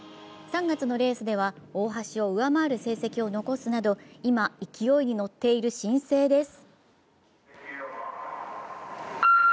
３月のレースでは大橋を上回る成績を残すなど今、勢いに乗っている新星です。